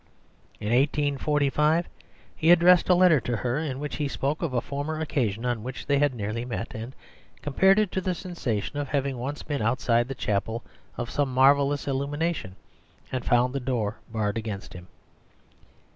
In 1845 he addressed a letter to her in which he spoke of a former occasion on which they had nearly met, and compared it to the sensation of having once been outside the chapel of some marvellous illumination and found the door barred against him.